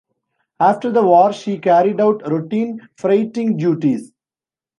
After the war she carried out routine freighting duties.